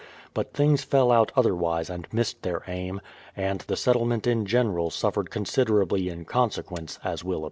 But things fell out other wise and missed their aim, and the settlement in general suffered considerably in consequence, as will appear.